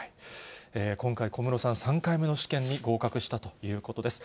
今回、小室さん、３回目の試験に合格したということです。